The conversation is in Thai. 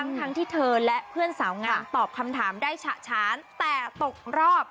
ทั้งที่เธอและเพื่อนสาวงามตอบคำถามได้ฉะฉานแต่ตกรอบ